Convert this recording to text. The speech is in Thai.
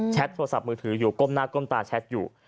โทรศัพท์มือถืออยู่ก้มหน้าก้มตาแชทอยู่